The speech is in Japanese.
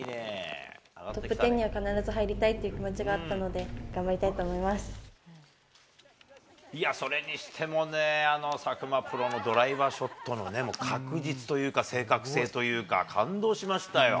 トップ１０には必ず入りたいという気持ちはあったので、いや、それにしてもねぇ、あの佐久間プロのドライバーショットのね、確実というか、正確性というか、感動しましたよ。